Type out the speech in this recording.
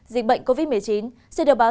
dịch bệnh covid một mươi chín sẽ đều báo